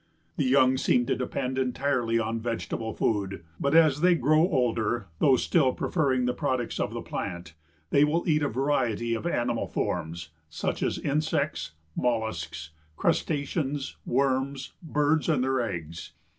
The young seem to depend entirely on vegetable food, but as they grow older, though still preferring the products of the plant, they will eat a variety of animal forms, such as insects, mollusks, crustaceans, worms, birds and their eggs.